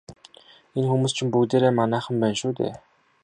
Энэ хүмүүс чинь бүгдээрээ манайхан байна шүү дээ.